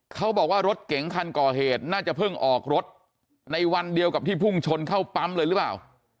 เขาบอกว่ารถเก๋งคันก่อเหตุน่าจะเพิ่งออกรถในวันเดียวกับที่พุ่งชนเข้าปั๊มเลยหรือเปล่า